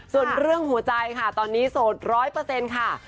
ส่วนเรื่องหัวใจค่ะตอนนี้โสดร้อยเปอร์เซ็นต์ค่ะ